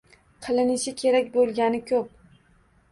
Qilinishi kerak bo‘lgani ko‘p.